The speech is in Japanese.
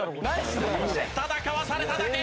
ただかわされただけ！